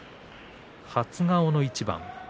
初顔の一番。